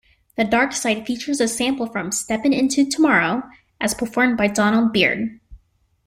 "The Darkside" features a sample from "Steppin' Into Tomorrow" as performed by Donald Byrd.